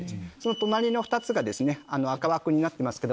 隣の２つが赤枠になってますけど。